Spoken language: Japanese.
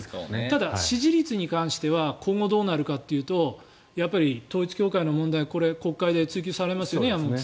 ただ、支持率に関しては今後どうなるかというと統一教会の問題国会で追及されますよね。